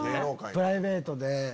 プライベートで。